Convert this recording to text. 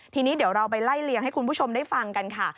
ทีนี้เดี๋ยวเราไปไล่เลี่ยงให้คุณผู้ชมได้ฟังกันค่ะ